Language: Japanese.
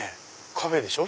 カフェでしょ